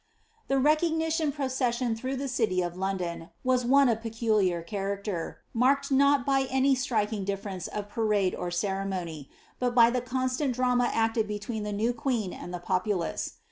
The recognition procession through the city of London, was one of peculiar character, marked not by any striking difference of parade or ceremony, but by the constant drama acted between the new queen and the populace.